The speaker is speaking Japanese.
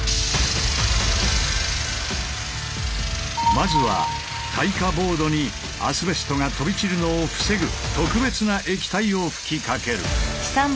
まずは耐火ボードにアスベストが飛び散るのを防ぐ特別な液体を吹きかける。